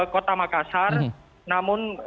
kota makassar namun